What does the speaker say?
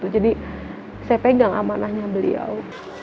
jadi saya pegang amanahnya beliau